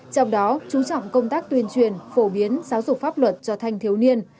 trong đó chú trọng công tác tuyên truyền phổ biến giáo dục pháp luật cho thanh thiếu niên